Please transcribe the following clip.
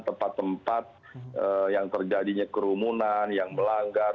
tempat tempat yang terjadinya kerumunan yang melanggar